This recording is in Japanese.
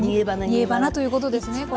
煮えばなということですねこれが。